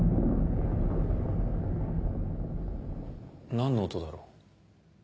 何の音だろう？